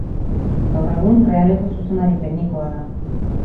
Gaur egun, Realeko zuzendari teknikoa da.